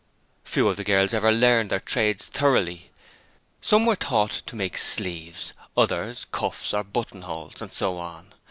Few of the girls ever learned their trades thoroughly. Some were taught to make sleeves; others cuffs or button holes, and so on.